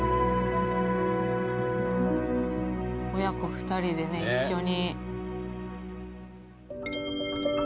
親子２人でね一緒に。